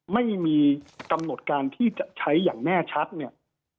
ไม่มีกำหนดการที่จะใช้อย่างแน่ชัดเนี่ย